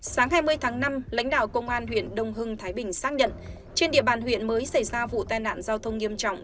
sáng hai mươi tháng năm lãnh đạo công an huyện đông hưng thái bình xác nhận trên địa bàn huyện mới xảy ra vụ tai nạn giao thông nghiêm trọng